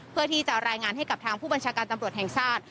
เพื่อที่จะรายงานให้กับทางผู้บัญชาการตำรวจแห่งชาติ